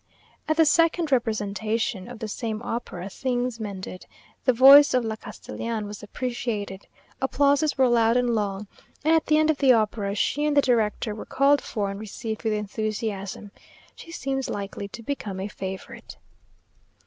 At the second representation of the same opera things mended. The voice of La Castellan was appreciated. Applauses were loud and long, and at the end of the opera she and the director were called for and received with enthusiasm. She seems likely to become a favourite.